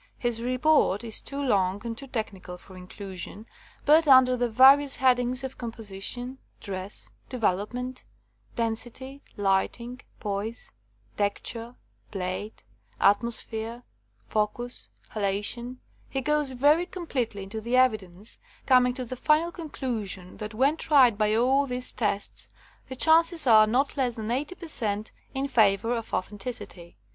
His report is too long and too technical for inclusion, but, under the vari ous headings of composition, dress, develop ment, density, lighting, poise, texture, plate, atmosphere, focus, halation, he goes very 91 THE COMING OF THE FAIRIES completely into the evidence, coming to the final conclusion that when tried by all these tests the chances are not less than 80 per cent, in favour of authenticity.